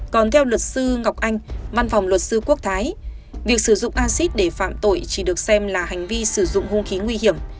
còn theo luật sư ngọc anh văn phòng luật sư quốc thái việc sử dụng acid để phạm tội chỉ được xem là hành vi sử dụng hung khí nguy hiểm